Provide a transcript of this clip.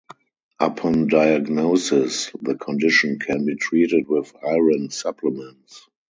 Upon diagnosis, the condition can be treated with iron supplements.